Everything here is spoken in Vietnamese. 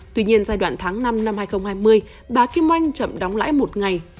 tuy nhiên giai đoạn tháng năm năm hai nghìn hai mươi bà kim oanh chậm đóng lãi một ngày